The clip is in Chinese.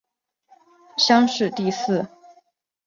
乡试第四。